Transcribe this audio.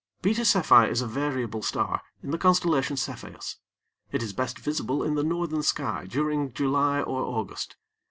Beta Cephei is a variable star in the Constellation Cepheus. It is best visible in the northern sky during July or August.